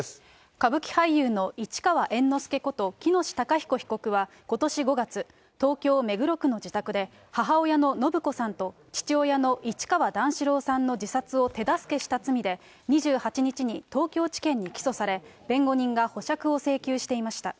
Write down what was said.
歌舞伎俳優の市川猿之助こと喜熨斗孝彦被告はことし５月、東京・目黒区の自宅で、母親の延子さんと父親の市川段四郎さんの自殺を手助けした罪で、２８日に東京地検に起訴され、弁護人が保釈を請求していました。